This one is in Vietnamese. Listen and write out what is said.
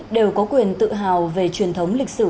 đều có quyền tự hào về truyền thống lịch sử